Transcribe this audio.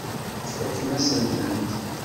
Tfakemt-asen-tent.